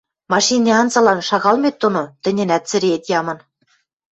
машинӓ анзылан шагалмет доно тӹньӹнӓт цӹреэт ямын.